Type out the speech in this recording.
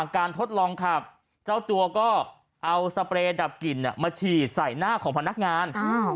ทดลองขับเจ้าตัวก็เอาสเปรย์ดับกลิ่นมาฉีดใส่หน้าของพนักงาน